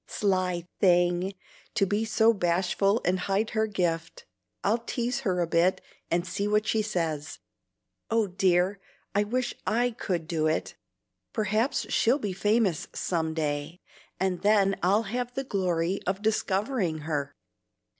Sly thing! to be so bashful and hide her gift. I'll tease her a bit and see what she says. Oh dear, I wish I could do it! Perhaps she'll be famous some day, and then I'll have the glory of discovering her."